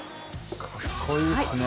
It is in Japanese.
かっこいいですね。